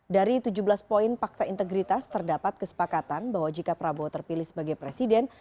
dari tujuh belas poin fakta integritas terdapat kesepakatan bahwa jika prabowo terpilih sebagai presiden